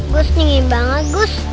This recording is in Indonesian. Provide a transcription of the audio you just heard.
gus dingin banget gus